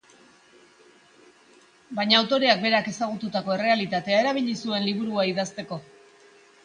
Baina autoreak berak ezagututako errealitatea erabili zuen liburua idazteko.